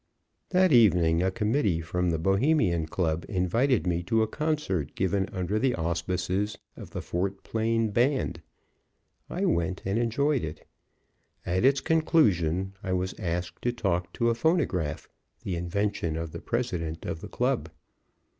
That evening a committee from the Bohemian Club invited me to a concert given under the auspices of the Fort Plain Band. I went, and enjoyed it. At its conclusion, I was asked to talk to a phonograph, the invention of the president of the Club.